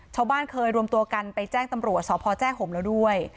ชาวบ้านเคยรวมตัวกันไปแจ้งตำรวจสพแจ้ห่มแล้วด้วย